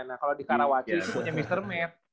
nah kalau di karawaci punya mr matt